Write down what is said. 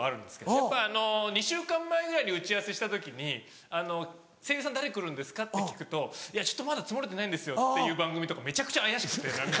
やっぱあの２週間前ぐらいに打ち合わせした時に「声優さん誰来るんですか？」って聞くと「いやちょっとまだつもれてないんですよ」っていう番組とかめちゃくちゃ怪しくて何か。